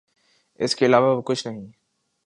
اس کے علاوہ کچھ نہیں۔